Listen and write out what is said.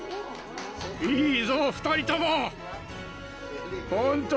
いいぞ２人とも。